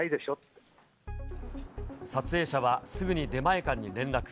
撮影者は、すぐに出前館に連絡。